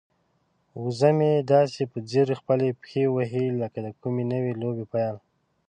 وزه مې داسې په ځیر خپلې پښې وهي لکه د کومې نوې لوبې پیل.